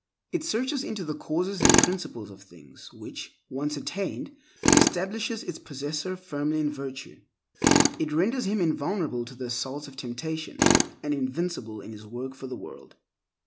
It searches into the causes and principles of things, which, once attained, establishes its possessor firmly in virtue. It renders him invulnerable to the assaults of temptation, and invincible in his work for the world.